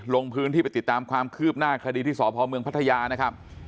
ลงพื้นที่ไปติดตามความคืบหน้าคดีที่สพเมืองพัทยานะครับ